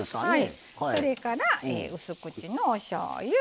それから、うす口のおしょうゆ。